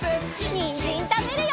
にんじんたべるよ！